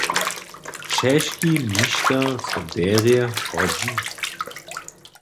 Čěski mišter so derje hodźi.